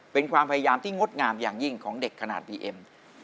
เป็นความพยายามที่งดงามอย่างยิ่งของเด็กขนาดบีเอ็ม